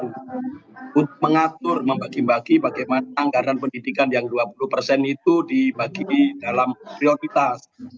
untuk mengatur membagi bagi bagaimana anggaran pendidikan yang dua puluh persen itu dibagi di dalam prioritas